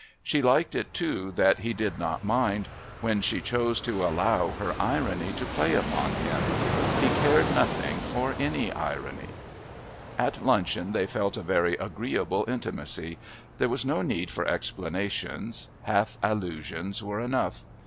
She liked it too that he did not mind when she chose to allow her irony to play upon him. He cared nothing for any irony. At luncheon they felt a very agreeable intimacy. There was no need for explanations; half allusions were enough.